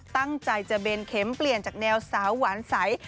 ตั้งใจจะเบนเข็มเปลี่ยนจากแนวสาวหวานใส